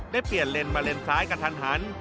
ได้เปลี่ยนเลนตรมาเลนซ้ายกันทันทัน